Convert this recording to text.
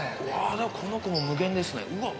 また、この子も無限ですね。